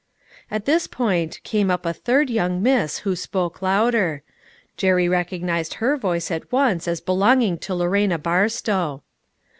At this point came up a third young miss who spoke louder. Jerry recognized her voice at once as belonging to Lorena Barstow.